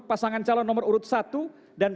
pasangan calon nomor urut satu dan